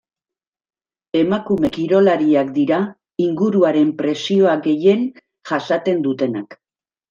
Emakume kirolariak dira inguruaren presioa gehien jasaten dutenak.